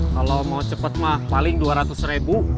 kalo mau cepet mah paling dua ratus ribu